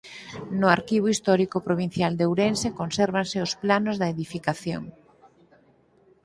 No Arquivo Histórico Provincial de Ourense consérvanse os planos da edificación.